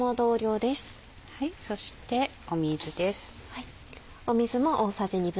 そして水です。